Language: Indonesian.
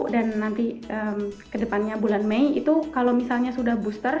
dan nanti kedepannya bulan mei itu kalau misalnya sudah booster